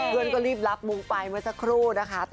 คุณก็รีบลับบุงไปเมื่อสักครู่นะคะ